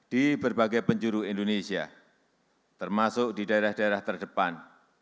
di berbagai penjuru indonesia termasuk di daerah daerah terdepan